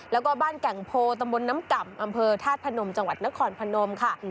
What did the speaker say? แล้วก็บ้านแก่งโพตำบลน้ำก่ำอำเภอธาตุพนมจังหวัดนครพนมค่ะ